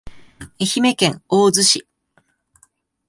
愛媛県大洲市